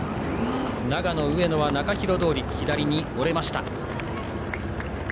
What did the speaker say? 長野、上野は中広通りを左に折れました。